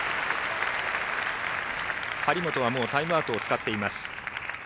張本はもうタイムアウトを使っています。